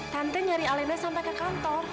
tante nyari alenda sampai ke kantor